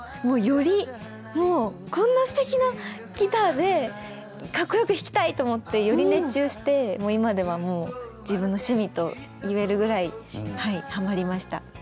もうよりもうこんなすてきなギターでかっこよく弾きたいと思ってより熱中してもう今ではもう自分の趣味と言えるぐらいはいハマりました。